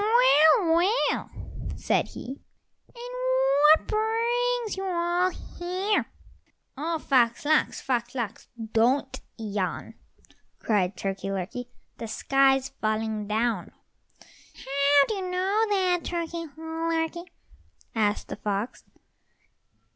"Well, well," said he, "and what brings you all here?" "Oh, Fox lox, Fox lox, don't yawn," cried Turkey lurkey, "the sky's falling down." "How do you know that, Turkey lurkey?" asked the fox.